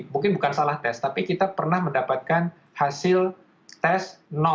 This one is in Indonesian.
mungkin bukan salah tes tapi kita pernah mendapatkan hasil tes